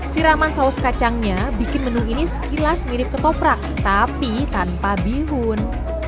siraman saus kacangnya bikin menu ini sekilas mirip ketoprak tapi tanpa bihun